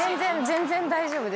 全然大丈夫です。